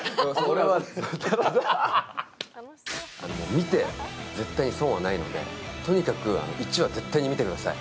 見て絶対に損はないので、とにかく１話絶対に見てください